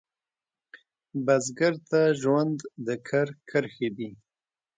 بزګر ته ژوند د کر کرښې دي